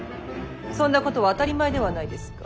そんなことは当たり前ではないですか。